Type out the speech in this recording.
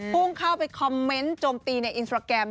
พุ่งเข้าไปคอมเมนต์โจมตีในอินสตราแกรม